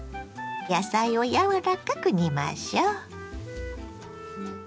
野菜をやわらかく煮ましょ。